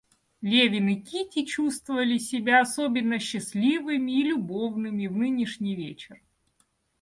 Левин и Кити чувствовали себя особенно счастливыми и любовными в нынешний вечер.